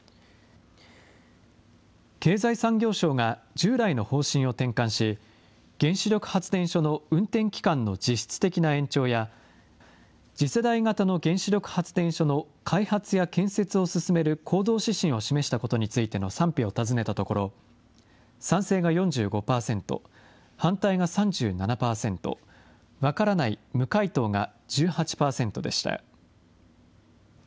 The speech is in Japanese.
経済産業省が従来の方針を転換し、原子力発電所の運転期間の実質的な延長や、次世代型の原子力発電所の開発や建設を進める行動指針を示したことについての賛否を尋ねたところ、賛成が４５％、反対が３７％、わからない、無回答が１８％でした。